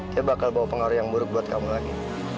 saya bakal bawa pengaruh yang buruk buat kamu lagi